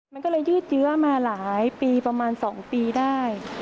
มันก็เลยยืดเยื้อมาหลายปีประมาณ๒ปีได้